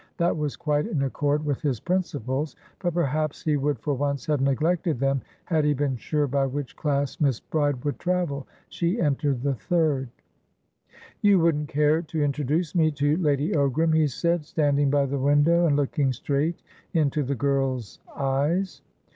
That was quite in accord with his principles, but perhaps he would for once have neglected them had he been sure by which class Miss Bride would travel. She entered the third. "You wouldn't care to introduce me to Lady Ogram?" he said, standing by the window, and looking straight into the girl's eyes.